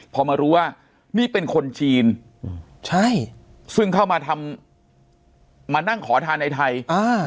พอมารู้ว่านี่เป็นคนจีนใช่ซึ่งเข้ามาทำมานั่งขอทานในไทยอ่า